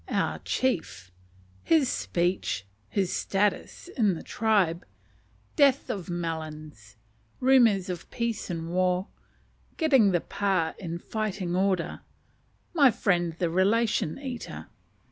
"Our Chief." His Speech. His status in the Tribe. Death of "Melons." Rumours of Peace and War. Getting the Pa in Fighting Order. My Friend the "Relation Eater."